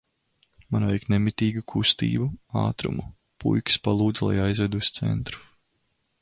Man vajag nemitīgu kustību, ātrumu. Puikas palūdza, lai aizvedu uz centru.